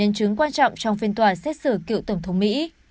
nhân chứng quan trọng trong phiên tòa xét xử cựu tổng thống mỹ